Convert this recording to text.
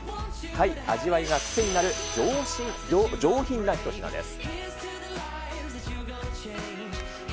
深い味わいが癖になる上品な一品です。